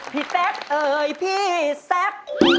พี่แซ่บเอ่ยพี่แซ่บ